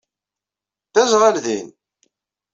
D aẓɣal din?